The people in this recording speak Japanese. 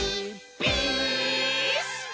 ピース！」